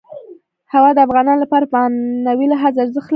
هوا د افغانانو لپاره په معنوي لحاظ ارزښت لري.